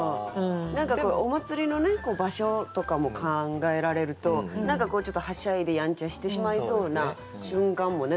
何かお祭りの場所とかも考えられるとちょっとはしゃいでやんちゃしてしまいそうな瞬間もね